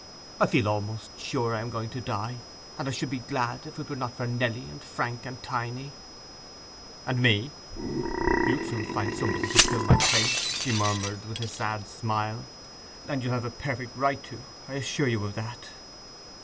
'I feel almost sure I am going to die; and I should be glad, if it were not for Nelly, and Frank, and Tiny.' 'And me!' 'You'll soon find somebody to fill my place,' she murmured, with a sad smile. 'And you'll have a perfect right to; I assure you of that.